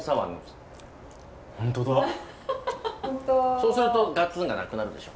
そうするとガツンがなくなるでしょ？